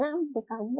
terus ditangin gitu